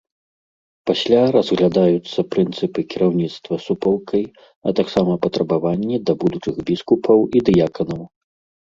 Пасля разглядаюцца прынцыпы кіраўніцтва суполкай, а таксама патрабаванні да будучых біскупаў і дыяканаў.